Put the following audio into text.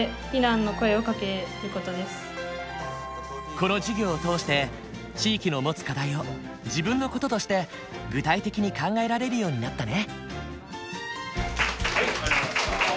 この授業を通して地域の持つ課題を自分の事として具体的に考えられるようになったね。